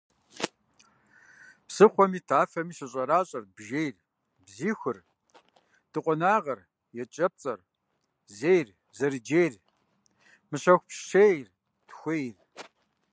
Псыхъуэми тафэми щыщӀэращӀэрт бжейр, бзиихур, дыкъуэнагъыр, екӀэпцӀейр, зейр, зэрыджейр, мыщэхупщейр, тхуейр.